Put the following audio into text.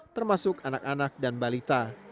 termasuk anak anak dan balita